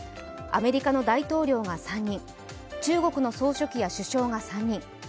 アメリカの大統領が３人、中国の総書記や首相が３人。